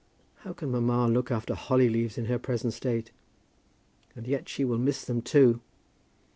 How can mamma look after holly leaves in her present state? And yet she will miss them, too.